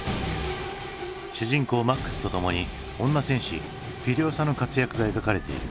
主人公マックスとともに女戦士フュリオサの活躍が描かれている。